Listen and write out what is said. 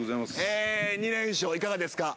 えー２連勝いかがですか？